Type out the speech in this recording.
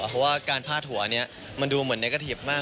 เพราะว่าการพาดหัวอันเนี้ยมันดูเหมือนเนกทีฟมาก